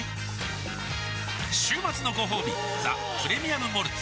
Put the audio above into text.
週末のごほうび「ザ・プレミアム・モルツ」